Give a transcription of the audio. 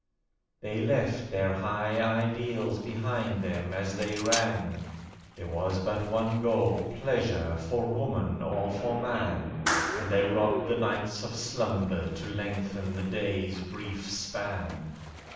They left their high ideals behind them as they ran; There was but one goal, pleasure, for Woman or for Man, And they robbed the nights of slumber to lengthen the days' brief span.